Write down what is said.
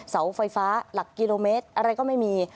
เสาไฟฟ้าหลักกิโลเมตรอะไรก็ไม่มี